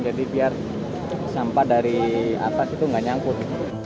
jadi biar sampah dari atas itu nggak nyangkut